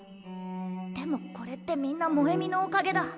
でもこれってみんな萌美のおかげだ。